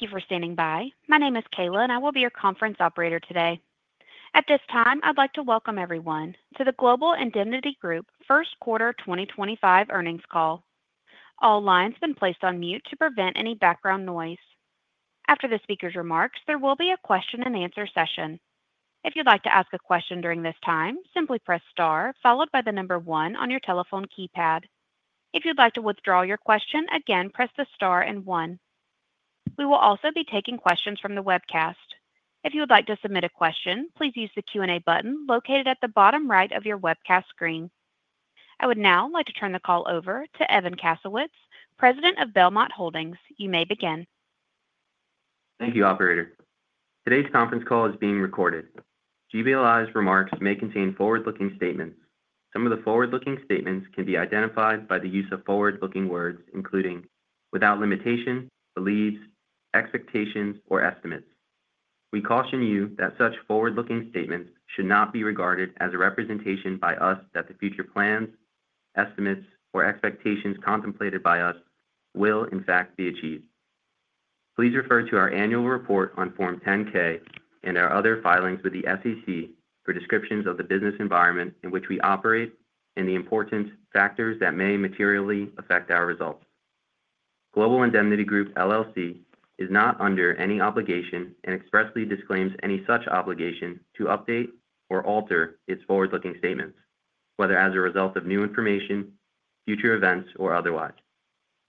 Thank you for standing by. My name is Kayla, and I will be your conference operator today. At this time, I'd like to welcome everyone to the Global Indemnity Group First Quarter 2025 Earnings Call. All lines have been placed on mute to prevent any background noise. After the speaker's remarks, there will be a question-and-answer session. If you'd like to ask a question during this time, simply press star followed by the number one on your telephone keypad. If you'd like to withdraw your question, again, press the star and one. We will also be taking questions from the webcast. If you would like to submit a question, please use the Q&A button located at the bottom right of your webcast screen. I would now like to turn the call over to Evan Kasowitz, President of Belmont Holdings. You may begin. Thank you, Operator. Today's conference call is being recorded. GBLI's remarks may contain forward-looking statements. Some of the forward-looking statements can be identified by the use of forward-looking words including, without limitation, believes, expectations, or estimates. We caution you that such forward-looking statements should not be regarded as a representation by us that the future plans, estimates, or expectations contemplated by us will, in fact, be achieved. Please refer to our annual report on Form 10-K and our other filings with the SEC for descriptions of the business environment in which we operate and the important factors that may materially affect our results. Global Indemnity Group is not under any obligation and expressly disclaims any such obligation to update or alter its forward-looking statements, whether as a result of new information, future events, or otherwise.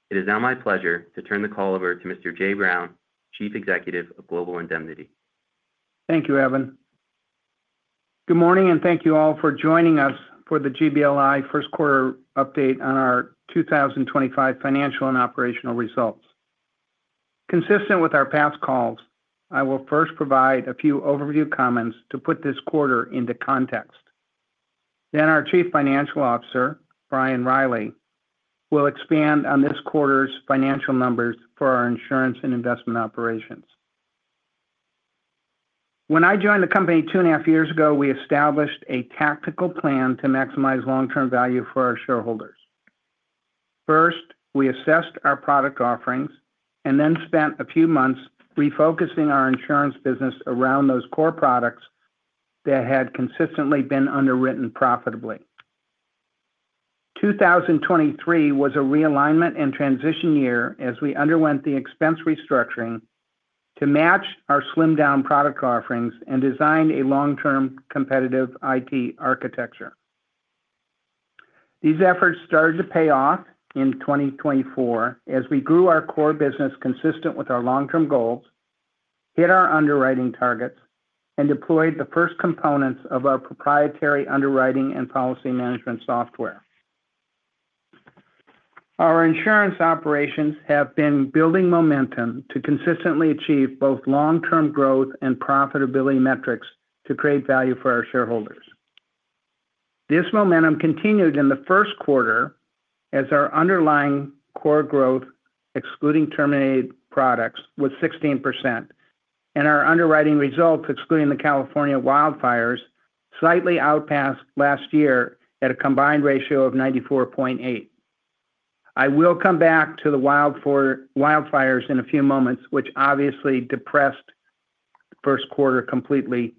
It is now my pleasure to turn the call over to Mr. Jay Brown, Chief Executive Officer of Global Indemnity Group. Thank you, Evan. Good morning, and thank you all for joining us for the GBLI First Quarter update on our 2025 financial and operational results. Consistent with our past calls, I will first provide a few overview comments to put this quarter into context. Then our Chief Financial Officer, Brian Riley, will expand on this quarter's financial numbers for our insurance and investment operations. When I joined the company two and a half years ago, we established a tactical plan to maximize long-term value for our shareholders. First, we assessed our product offerings and then spent a few months refocusing our insurance business around those core products that had consistently been underwritten profitably. 2023 was a realignment and transition year as we underwent the expense restructuring to match our slimmed-down product offerings and designed a long-term competitive IT architecture. These efforts started to pay off in 2024 as we grew our core business consistent with our long-term goals, hit our underwriting targets, and deployed the first components of our proprietary underwriting and policy management software. Our insurance operations have been building momentum to consistently achieve both long-term growth and profitability metrics to create value for our shareholders. This momentum continued in the first quarter as our underlying core growth, excluding terminated products, was 16%, and our underwriting results, excluding the California wildfires, slightly outpassed last year at a combined ratio of 94.8%. I will come back to the wildfires in a few moments, which obviously depressed the first quarter completely.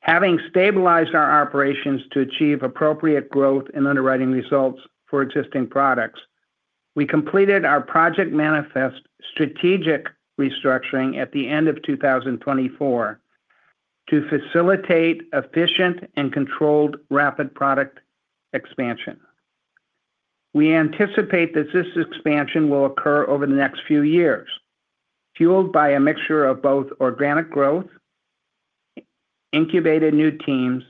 Having stabilized our operations to achieve appropriate growth and underwriting results for existing products, we completed our Project Manifest strategic restructuring at the end of 2024 to facilitate efficient and controlled rapid product expansion. We anticipate that this expansion will occur over the next few years, fueled by a mixture of both organic growth, incubated new teams,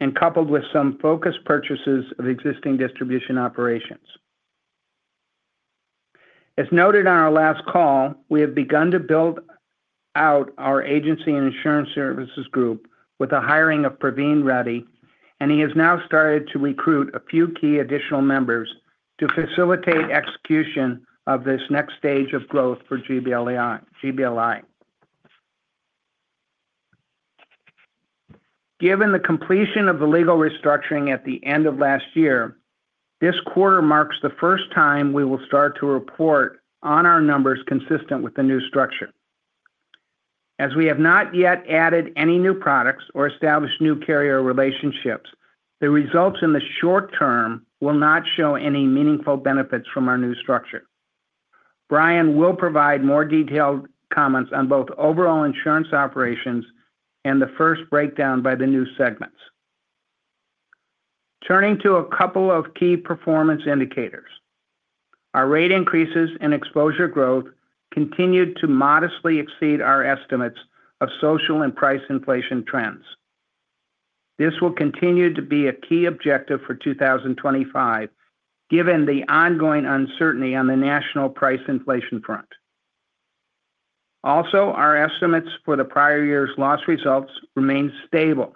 and coupled with some focused purchases of existing distribution operations. As noted on our last call, we have begun to build out our agency and insurance services group with the hiring of Praveen Reddy, and he has now started to recruit a few key additional members to facilitate execution of this next stage of growth for GBLI. Given the completion of the legal restructuring at the end of last year, this quarter marks the first time we will start to report on our numbers consistent with the new structure. As we have not yet added any new products or established new carrier relationships, the results in the short term will not show any meaningful benefits from our new structure. Brian will provide more detailed comments on both overall insurance operations and the first breakdown by the new segments. Turning to a couple of key performance indicators, our rate increases and exposure growth continued to modestly exceed our estimates of social and price inflation trends. This will continue to be a key objective for 2025, given the ongoing uncertainty on the national price inflation front. Also, our estimates for the prior year's loss results remained stable,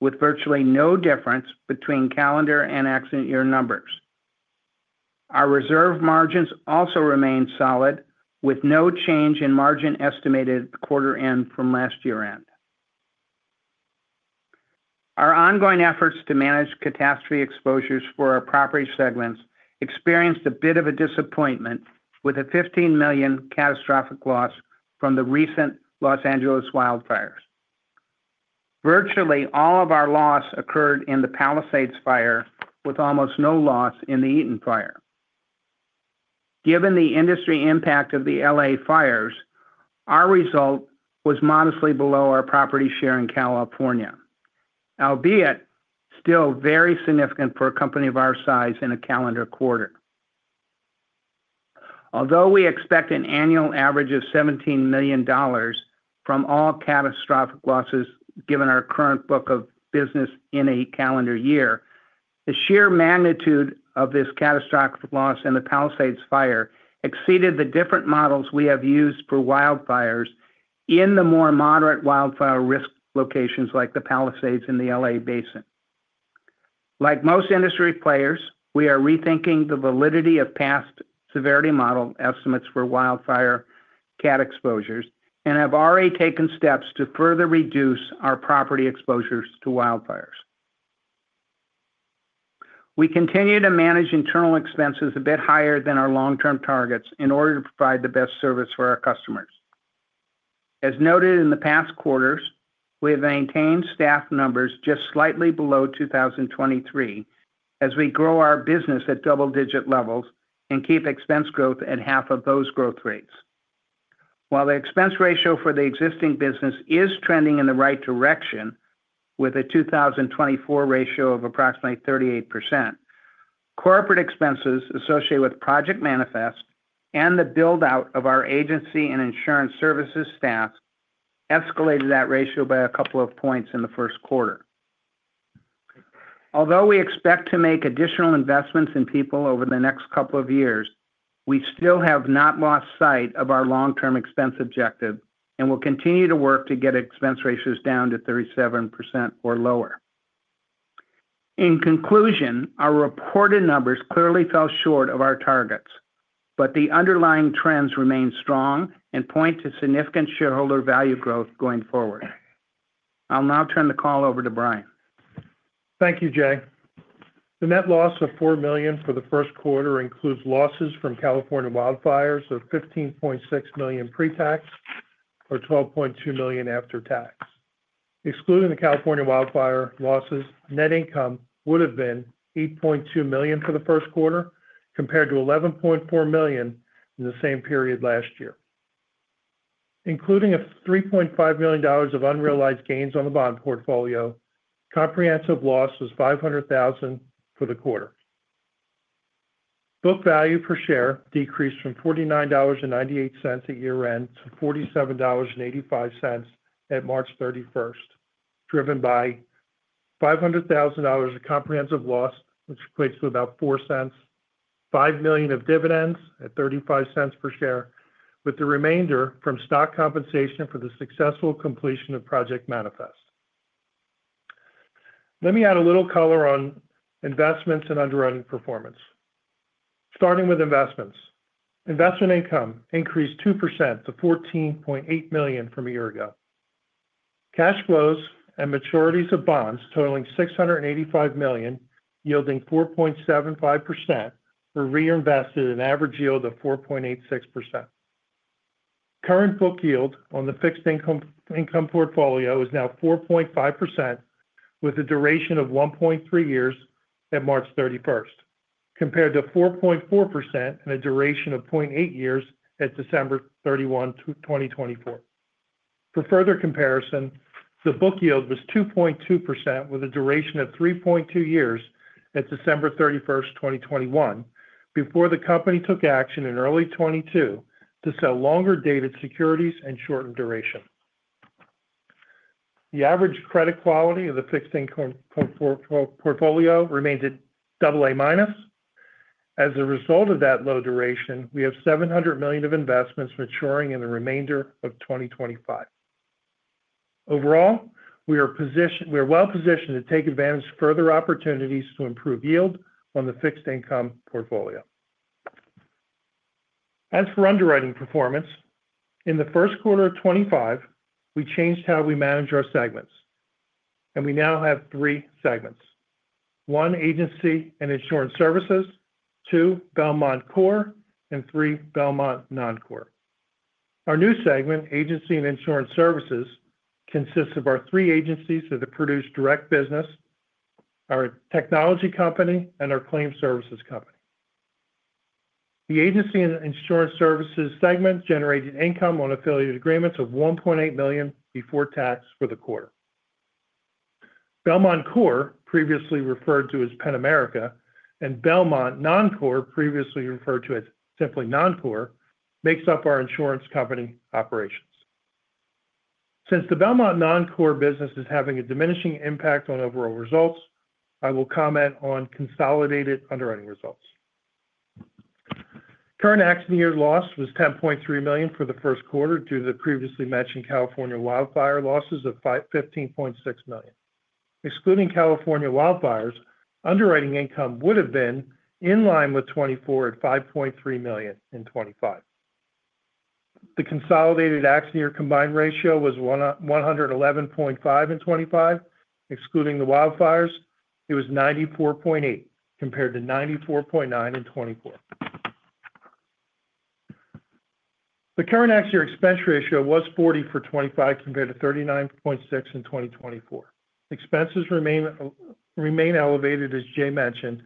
with virtually no difference between calendar and accident year numbers. Our reserve margins also remained solid, with no change in margin estimated at the quarter end from last year end. Our ongoing efforts to manage catastrophe exposures for our property segments experienced a bit of a disappointment with a $15 million catastrophic loss from the recent Los Angeles wildfires. Virtually all of our loss occurred in the Palisades fire, with almost no loss in the Eaton fire. Given the industry impact of the LA fires, our result was modestly below our property share in California, albeit still very significant for a company of our size in a calendar quarter. Although we expect an annual average of $17 million from all catastrophic losses, given our current book of business in a calendar year, the sheer magnitude of this catastrophic loss and the Palisades fire exceeded the different models we have used for wildfires in the more moderate wildfire risk locations like the Palisades and the LA Basin. Like most industry players, we are rethinking the validity of past severity model estimates for wildfire cat exposures and have already taken steps to further reduce our property exposures to wildfires. We continue to manage internal expenses a bit higher than our long-term targets in order to provide the best service for our customers. As noted in the past quarters, we have maintained staff numbers just slightly below 2023 as we grow our business at double-digit levels and keep expense growth at half of those growth rates. While the expense ratio for the existing business is trending in the right direction, with a 2024 ratio of approximately 38%, corporate expenses associated with Project Manifest and the build-out of our agency and insurance services staff escalated that ratio by a couple of points in the first quarter. Although we expect to make additional investments in people over the next couple of years, we still have not lost sight of our long-term expense objective and will continue to work to get expense ratios down to 37% or lower. In conclusion, our reported numbers clearly fell short of our targets, but the underlying trends remain strong and point to significant shareholder value growth going forward. I'll now turn the call over to Brian. Thank you, Jay. The net loss of $4 million for the first quarter includes losses from California wildfires of $15.6 million pre-tax or $12.2 million after tax. Excluding the California wildfire losses, net income would have been $8.2 million for the first quarter compared to $11.4 million in the same period last year. Including a $3.5 million of unrealized gains on the bond portfolio, comprehensive loss was $500,000 for the quarter. Book value per share decreased from $49.98 at year-end to $47.85 at March 31st, driven by $500,000 of comprehensive loss, which equates to about 4 cents, $5 million of dividends at $0.35 per share, with the remainder from stock compensation for the successful completion of project manifest. Let me add a little color on investments and underwriting performance. Starting with investments, investment income increased 2% to $14.8 million from a year ago. Cash flows and maturities of bonds totaling $685 million, yielding 4.75%, were reinvested at an average yield of 4.86%. Current book yield on the fixed income portfolio is now 4.5%, with a duration of 1.3 years at March 31st, compared to 4.4% and a duration of 0.8 years at December 31, 2024. For further comparison, the book yield was 2.2%, with a duration of 3.2 years at December 31st, 2021, before the company took action in early 2022 to sell longer-dated securities and shorten duration. The average credit quality of the fixed income portfolio remains at AA-. As a result of that low duration, we have $700 million of investments maturing in the remainder of 2025. Overall, we are well-positioned to take advantage of further opportunities to improve yield on the fixed income portfolio. As for underwriting performance, in the first quarter of 2025, we changed how we manage our segments, and we now have three segments: one agency and insurance services, two Belmont Corp, and three Belmont Non-Corp. Our new segment, agency and insurance services, consists of our three agencies that produce direct business, our technology company, and our claim services company. The agency and insurance services segment generated income on affiliated agreements of $1.8 million before tax for the quarter. Belmont Corp, previously referred to as Penn-America, and Belmont Non-Corp, previously referred to as simply Non-Corp, makes up our insurance company operations. Since the Belmont Non-Corp business is having a diminishing impact on overall results, I will comment on consolidated underwriting results. Current accident year loss was $10.3 million for the first quarter due to the previously mentioned California wildfire losses of $15.6 million. Excluding California wildfires, underwriting income would have been in line with 2024 at $5.3 million in 2025. The consolidated accident year combined ratio was 111.5 in 2025. Excluding the wildfires, it was 94.8 compared to 94.9 in 2024. The current accident year expense ratio was 40% for 2025 compared to 39.6% in 2024. Expenses remain elevated, as Jay mentioned,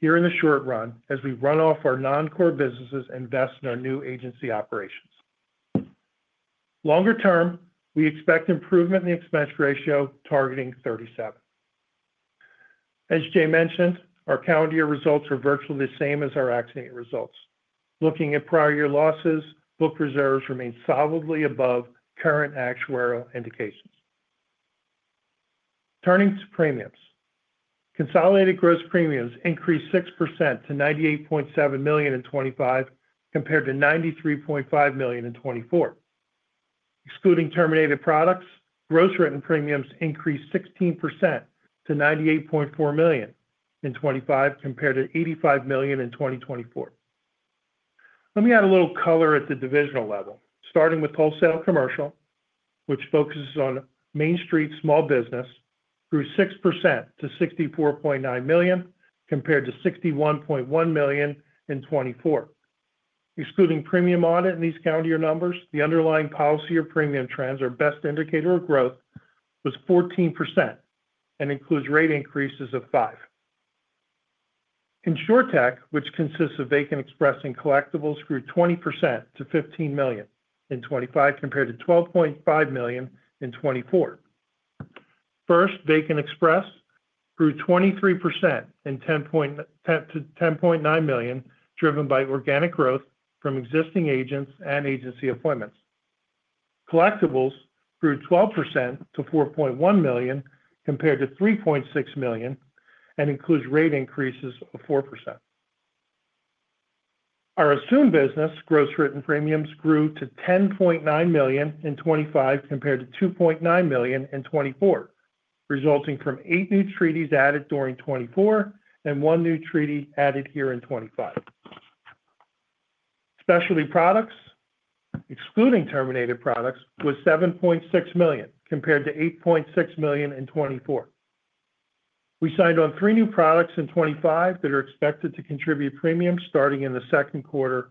here in the short run as we run off our Non-Corp businesses and invest in our new agency operations. Longer term, we expect improvement in the expense ratio, targeting 37%. As Jay mentioned, our calendar year results are virtually the same as our accident year results. Looking at prior year losses, book reserves remain solidly above current actuarial indications. Turning to premiums, consolidated gross premiums increased 6% to $98.7 million in 2025 compared to $93.5 million in 2024. Excluding terminated products, gross written premiums increased 16% to $98.4 million in 2025 compared to $85 million in 2024. Let me add a little color at the divisional level. Starting with wholesale commercial, which focuses on Main Street small business, grew 6% to $64.9 million compared to $61.1 million in 2024. Excluding premium audit in these calendar year numbers, the underlying policy or premium trends or best indicator of growth was 14% and includes rate increases of 5%. Insurtech, which consists of Vacant Express and Collectibles, grew 20% to $15 million in 2025 compared to $12.5 million in 2024. First, Vacant Express grew 23% to $10.9 million, driven by organic growth from existing agents and agency appointments. Collectibles grew 12% to $4.1 million compared to $3.6 million and includes rate increases of 4%. Our assumed business gross written premiums grew to $10.9 million in 2025 compared to $2.9 million in 2024, resulting from eight new treaties added during 2024 and one new treaty added here in 2025. Specialty products, excluding terminated products, was $7.6 million compared to $8.6 million in 2024. We signed on three new products in 2025 that are expected to contribute premiums starting in the second quarter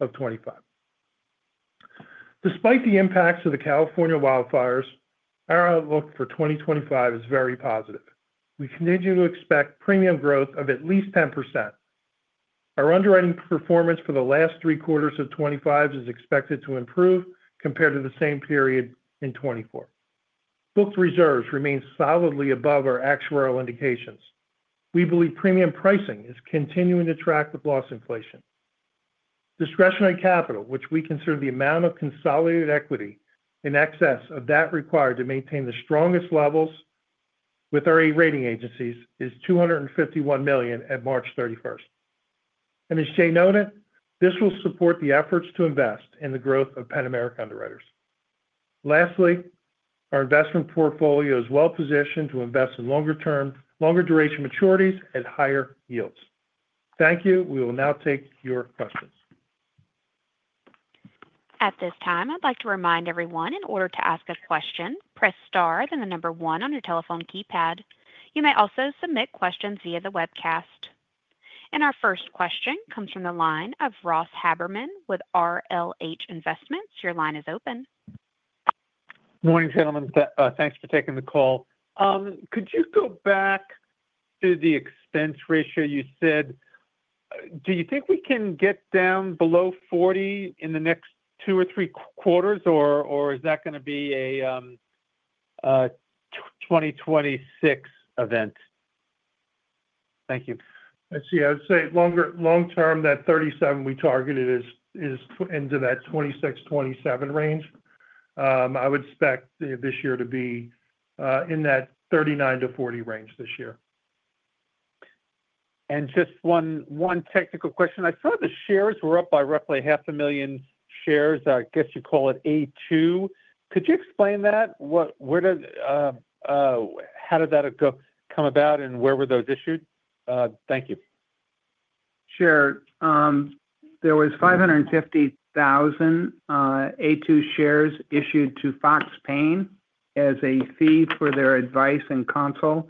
of 2025. Despite the impacts of the California wildfires, our outlook for 2025 is very positive. We continue to expect premium growth of at least 10%. Our underwriting performance for the last three quarters of 2025 is expected to improve compared to the same period in 2024. Booked reserves remain solidly above our actuarial indications. We believe premium pricing is continuing to track with loss inflation. Discretionary capital, which we consider the amount of consolidated equity in excess of that required to maintain the strongest levels with our e-rating agencies, is $251 million at March 31st. As Jay noted, this will support the efforts to invest in the growth of Penn-America Underwriters. Lastly, our investment portfolio is well-positioned to invest in longer-term, longer-duration maturities at higher yields. Thank you. We will now take your questions. At this time, I'd like to remind everyone in order to ask a question, press star then the number one on your telephone keypad. You may also submit questions via the webcast. Our first question comes from the line of Ross Haberman with RLH Investments. Your line is open. Good morning, gentlemen. Thanks for taking the call. Could you go back to the expense ratio you said? Do you think we can get down below 40 in the next two or three quarters, or is that going to be a 2026 event? Thank you. Let's see. I would say long-term, that 37 we targeted is into that 26-27 range. I would expect this year to be in that 39-40% range this year. Just one technical question. I saw the shares were up by roughly $500,000 shares. I guess you call it A2. Could you explain that? How did that come about, and where were those issued? Thank you. Sure. There was 550,000 A2 shares issued to Fox Paine as a fee for their advice and counsel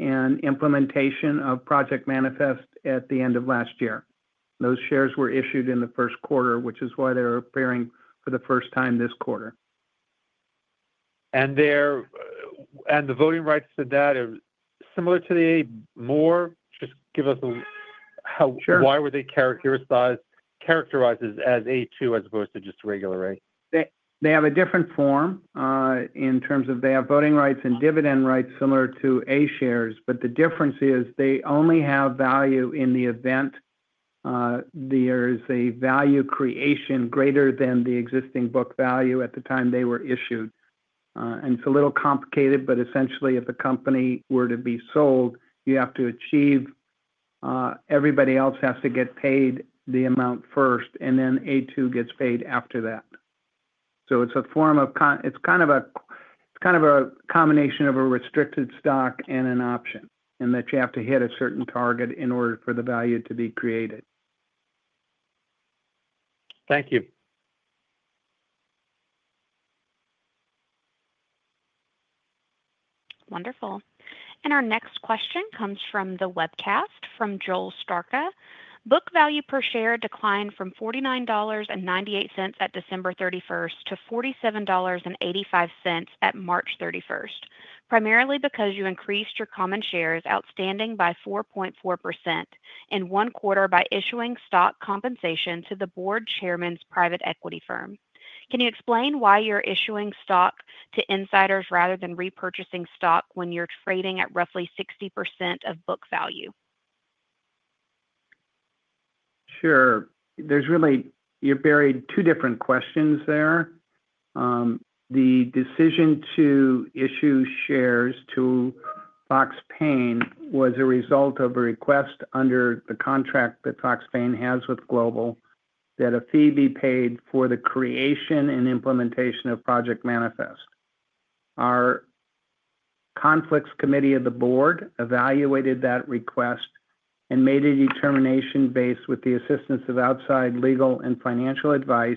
and implementation of Project Manifest at the end of last year. Those shares were issued in the first quarter, which is why they're appearing for the first time this quarter. The voting rights to that are similar to the A more? Just give us why were they characterized as A2 as opposed to just regular A? They have a different form in terms of they have voting rights and dividend rights similar to A shares, but the difference is they only have value in the event there is a value creation greater than the existing book value at the time they were issued. It's a little complicated, but essentially, if a company were to be sold, you have to achieve everybody else has to get paid the amount first, and then A2 gets paid after that. It's a form of it's kind of a combination of a restricted stock and an option in that you have to hit a certain target in order for the value to be created. Thank you. Wonderful. Our next question comes from the webcast from Joel Starka. Book value per share declined from $49.98 at December 31st to $47.85 at March 31st, primarily because you increased your common shares outstanding by 4.4% in one quarter by issuing stock compensation to the board chairman's private equity firm. Can you explain why you're issuing stock to insiders rather than repurchasing stock when you're trading at roughly 60% of book value? Sure. You buried two different questions there. The decision to issue shares to Fox Paine was a result of a request under the contract that Fox Paine has with Global that a fee be paid for the creation and implementation of Project Manifest. Our conflicts committee of the board evaluated that request and made a determination, with the assistance of outside legal and financial advice,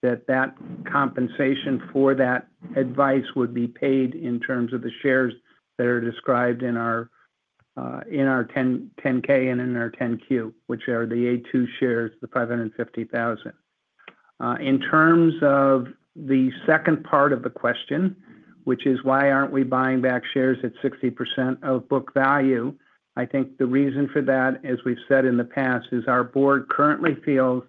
that that compensation for that advice would be paid in terms of the shares that are described in our 10-K and in our 10-Q, which are the A2 shares, the 550,000. In terms of the second part of the question, which is why are not we buying back shares at 60% of book value, I think the reason for that, as we have said in the past, is our board currently feels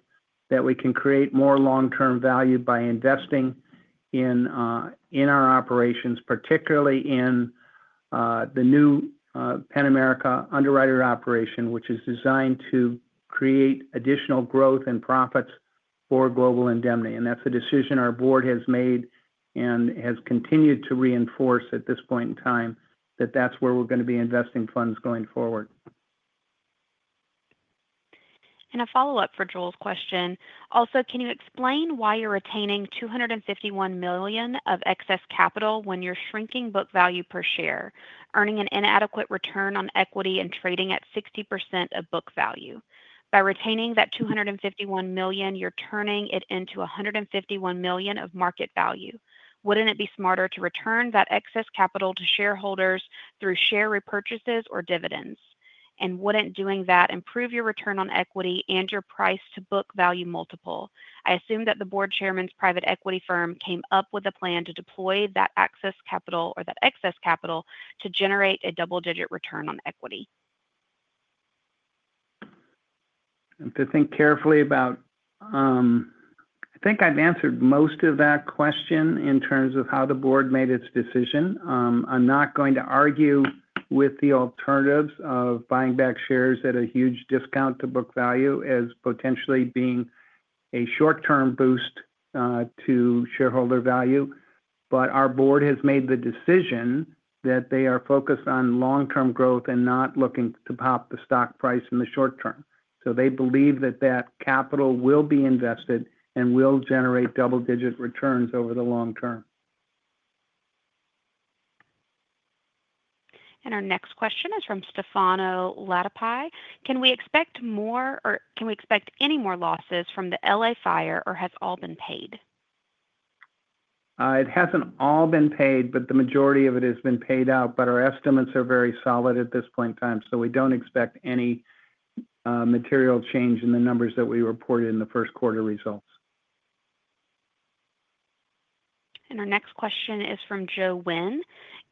that we can create more long-term value by investing in our operations, particularly in the new Penn-America Underwriters operation, which is designed to create additional growth and profits for Global Indemnity. That is a decision our board has made and has continued to reinforce at this point in time that that is where we are going to be investing funds going forward. A follow-up for Joel's question. Also, can you explain why you're retaining $251 million of excess capital when you're shrinking book value per share, earning an inadequate return on equity, and trading at 60% of book value? By retaining that $251 million, you're turning it into $151 million of market value. Wouldn't it be smarter to return that excess capital to shareholders through share repurchases or dividends? Wouldn't doing that improve your return on equity and your price to book value multiple? I assume that the board chairman's private equity firm came up with a plan to deploy that excess capital or that excess capital to generate a double-digit return on equity. I have to think carefully about I think I've answered most of that question in terms of how the board made its decision. I'm not going to argue with the alternatives of buying back shares at a huge discount to book value as potentially being a short-term boost to shareholder value. Our board has made the decision that they are focused on long-term growth and not looking to pop the stock price in the short term. They believe that that capital will be invested and will generate double-digit returns over the long term. Our next question is from Stefano [Latapie]. Can we expect more or can we expect any more losses from the LA fire, or has all been paid? It has not all been paid, but the majority of it has been paid out. Our estimates are very solid at this point in time, so we do not expect any material change in the numbers that we reported in the first quarter results. Our next question is from [Joe Nguyen].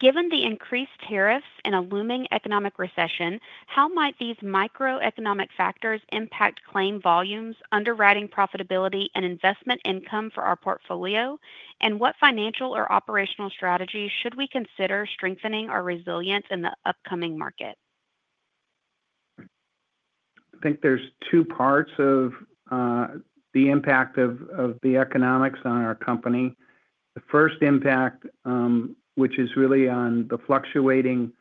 Given the increased tariffs and a looming economic recession, how might these microeconomic factors impact claim volumes, underwriting profitability, and investment income for our portfolio? What financial or operational strategies should we consider strengthening our resilience in the upcoming market? I think there's two parts of the impact of the economics on our company. The first impact, which is really on the fluctuating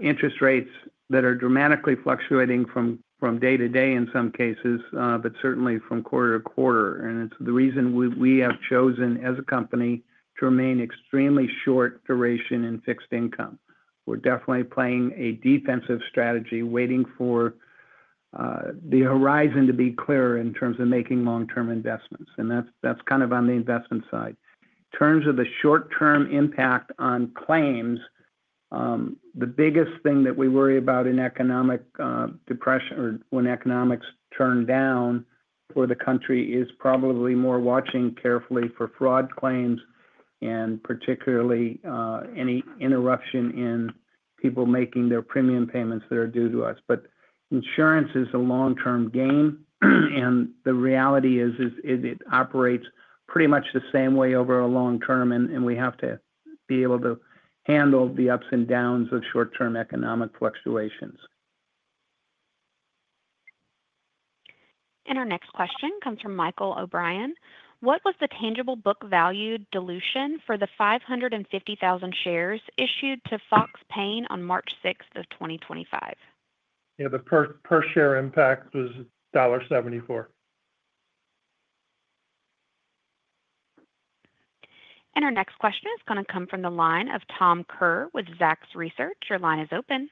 interest rates that are dramatically fluctuating from day to day in some cases, but certainly from quarter to quarter. It's the reason we have chosen as a company to remain extremely short duration in fixed income. We're definitely playing a defensive strategy, waiting for the horizon to be clearer in terms of making long-term investments. That's kind of on the investment side. In terms of the short-term impact on claims, the biggest thing that we worry about in economic depression or when economics turn down for the country is probably more watching carefully for fraud claims and particularly any interruption in people making their premium payments that are due to us. Insurance is a long-term game, and the reality is it operates pretty much the same way over a long term, and we have to be able to handle the ups and downs of short-term economic fluctuations. Our next question comes from Michael O'Brien. What was the tangible book value dilution for the 550,000 shares issued to Fox Paine on March 6th, 2025? Yeah, the per-share impact was $1.74. Our next question is going to come from the line of Tom Kerr with Zacks Research. Your line is open.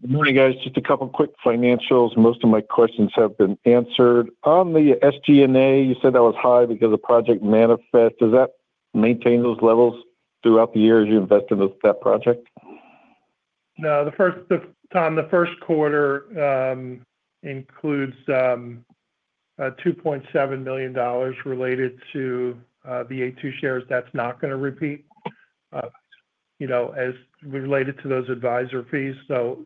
Good morning, guys. Just a couple of quick financials. Most of my questions have been answered. On the SG&A, you said that was high because of Project Manifest. Does that maintain those levels throughout the year as you invest in that project? No, Tom, the first quarter includes $2.7 million related to the A2 shares. That's not going to repeat as related to those advisor fees. No,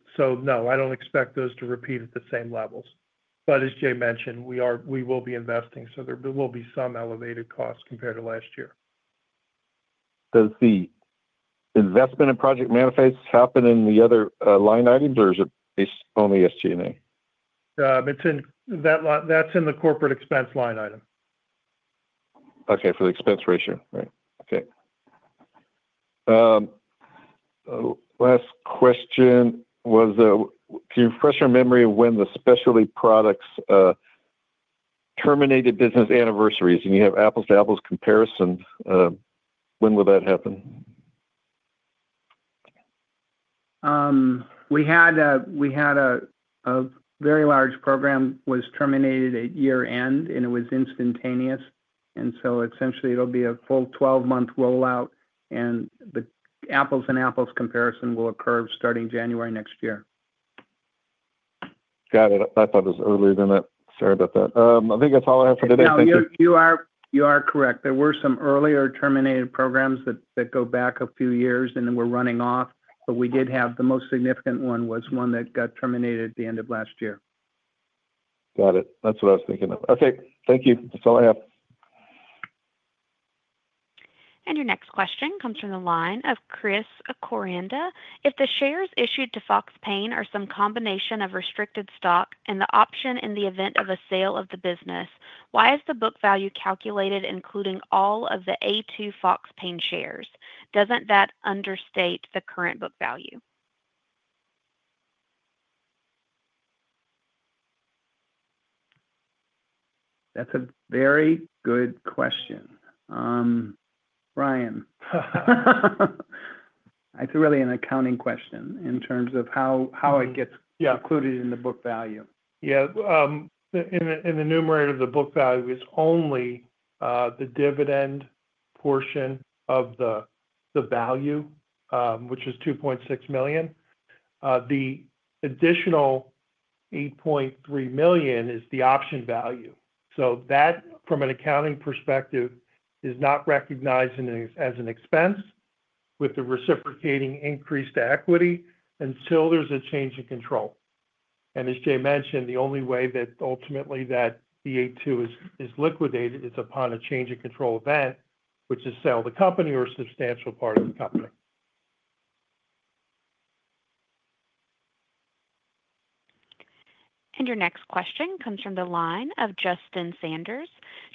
I don't expect those to repeat at the same levels. As Jay mentioned, we will be investing, so there will be some elevated costs compared to last year. Does the investment in Project Manifest happen in the other line items, or is it only SG&A? That's in the corporate expense line item. Okay, for the expense ratio. Right. Okay. Last question was, can you refresh your memory of when the specialty products terminated business anniversaries? And you have apples-to-apples comparison. When will that happen? We had a very large program that was terminated at year-end, and it was instantaneous. Essentially, it will be a full 12-month rollout, and the apples-to-apples comparison will occur starting January next year. Got it. I thought it was earlier than that. Sorry about that. I think that's all I have for today. Thank you. No, you are correct. There were some earlier terminated programs that go back a few years, and then we're running off. We did have the most significant one was one that got terminated at the end of last year. Got it. That's what I was thinking of. Okay. Thank you. That's all I have. Your next question comes from the line of Chris Acorianda. If the shares issued to Fox Paine are some combination of restricted stock and the option in the event of a sale of the business, why is the book value calculated including all of the A2 Fox Paine shares? Doesn't that understate the current book value? That's a very good question. Brian, it's really an accounting question in terms of how it gets included in the book value. Yeah. In the numerator of the book value, it's only the dividend portion of the value, which is $2.6 million. The additional $8.3 million is the option value. That, from an accounting perspective, is not recognized as an expense with the reciprocating increased equity until there's a change in control. As Jay mentioned, the only way that ultimately the A2 is liquidated is upon a change in control event, which is sale of the company or a substantial part of the company.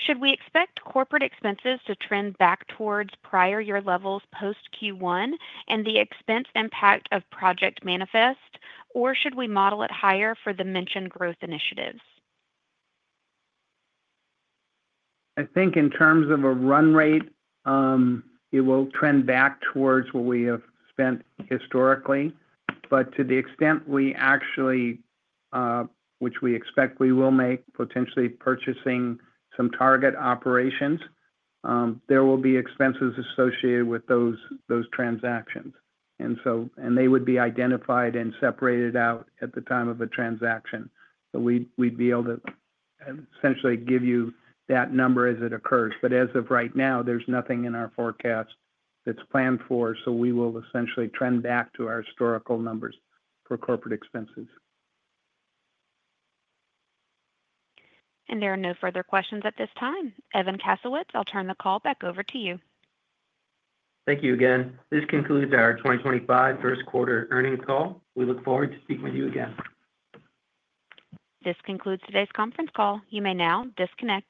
Should we expect corporate expenses to trend back towards prior year levels post Q1 and the expense impact of Project Manifest, or should we model it higher for the mentioned growth initiatives? I think in terms of a run rate, it will trend back towards what we have spent historically. To the extent we actually, which we expect we will, make potentially purchasing some target operations, there will be expenses associated with those transactions. They would be identified and separated out at the time of a transaction. We would be able to essentially give you that number as it occurs. As of right now, there is nothing in our forecast that is planned for, so we will essentially trend back to our historical numbers for corporate expenses. There are no further questions at this time. Evan Kasowitz, I'll turn the call back over to you. Thank you again. This concludes our 2025 first quarter earnings call. We look forward to speaking with you again. This concludes today's conference call. You may now disconnect.